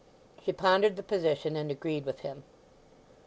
She pondered the position, and agreed with him.